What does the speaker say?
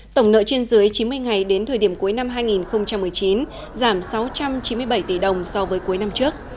tổng nợ trên dưới chín mươi ngày đến thời điểm cuối năm hai nghìn một mươi chín giảm sáu trăm chín mươi bảy tỷ đồng so với cuối năm trước